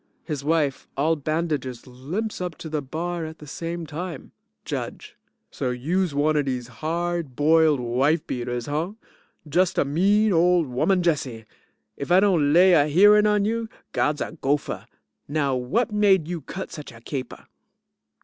His wife, all bandages, limps up to the bar at the same time.) JUDGE So youse one of dese hard boiled wife beaters, huh? Just a mean old woman Jessie! If I don't lay a hearing on you, God's a gopher! Now what made you cut such a caper?